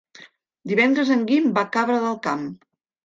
Divendres en Guim va a Cabra del Camp.